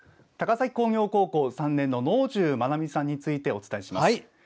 高崎工業高校３年の能重真奈美さんについてお伝えします。